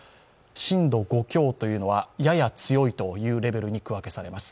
震度５強というのはやや強いというレベルに区分けされます。